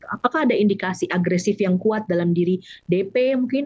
apakah ada indikasi agresif yang kuat dalam diri dp mungkin